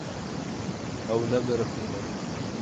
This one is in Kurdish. Ew nebiriqîne.